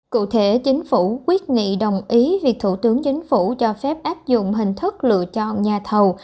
cụ thể chính phủ quyết nghị đồng ý việc thủ tướng chính phủ cho phép áp dụng hình thức lựa chọn nhà thầu